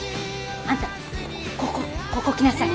あんたここここ来なさい。